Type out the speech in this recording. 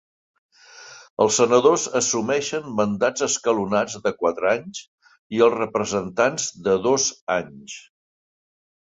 Els senadors assumeixen mandats escalonats de quatre anys i els representants, de dos anys.